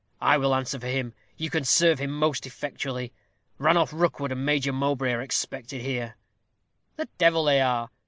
I will answer for him. You can serve him most effectually. Ranulph Rookwood and Major Mowbray are expected here." "The devil they are.